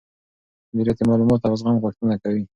مديريت د معلوماتو او زغم غوښتنه کوي.